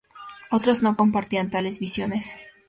Otros no compartían tales visiones.